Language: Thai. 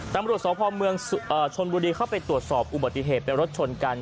ตำรวจสพเมืองชนบุรีเข้าไปตรวจสอบอุบัติเหตุเป็นรถชนกัน